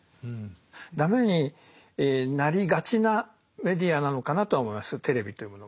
ダメになりがちなメディアなのかなとは思いますテレビというものが。